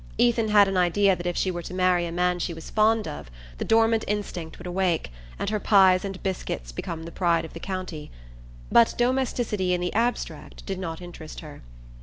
Ethan had an idea that if she were to marry a man she was fond of the dormant instinct would wake, and her pies and biscuits become the pride of the county; but domesticity in the abstract did not interest her.